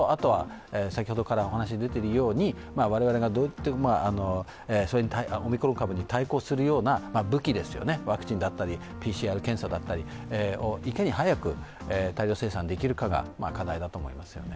あとは水際対策をどのぐらいするかという話と、先ほどから出ているように我々がオミクロン株に対抗するような武器、ワクチンだったりＰＣＲ検査だったりをいかに早く大量生産できるかが課題だと思いますよね。